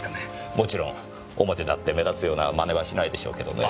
もちろん表立って目立つような真似はしないでしょうけどねぇ。